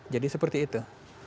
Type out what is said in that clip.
jadi seperti itu